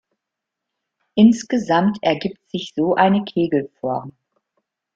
Insgesamt ergibt sich so eine Kegelform.